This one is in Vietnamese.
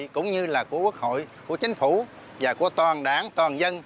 cũng như là của quốc hội của chính phủ và của toàn đảng toàn dân